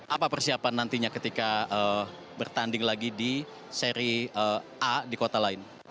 apa persiapan nantinya ketika bertanding lagi di seri a di kota lain